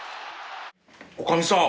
女将さん！